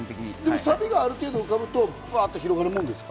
サビがある程度、浮かぶと広がるものですか？